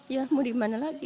ya mau dimana lagi